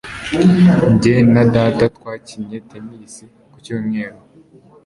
Jye na data twakinnye tennis ku cyumweru.